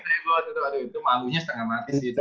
ternyata gue tuh aduh itu malunya setengah mati sih